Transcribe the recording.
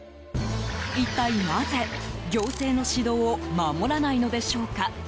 一体なぜ、行政の指導を守らないのでしょうか。